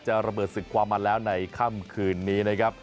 จะระเบิดศึกฟิบอลมาแล้วในค่ำคืนนี้นะครับ